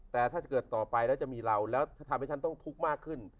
แต่ถ้าเกิดต่อไปแล้วจะมีเราแล้วทำให้ฉันต้องทุกข์มากขึ้น